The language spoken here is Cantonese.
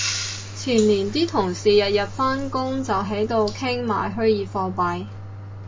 前年啲同事日日返工就喺度傾買虛擬貨幣